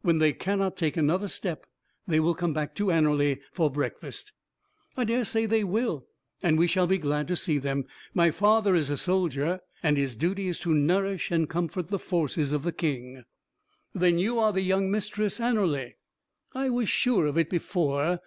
When they cannot take another step, they will come back to Anerley for breakfast." "I dare say they will; and we shall be glad to see them. My father is a soldier, and his duty is to nourish and comfort the forces of the King." "Then you are young Mistress Anerley? I was sure of it before.